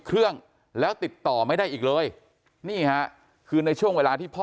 เครื่องแล้วติดต่อไม่ได้อีกเลยนี่ฮะคือในช่วงเวลาที่พ่อ